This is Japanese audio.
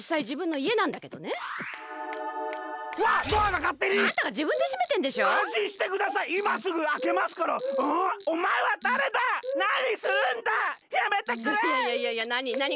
いやいやいやなに？